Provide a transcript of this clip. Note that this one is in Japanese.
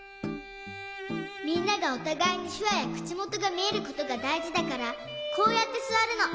みんながおたがいにしゅわやくちもとがみえることがだいじだからこうやってすわるの。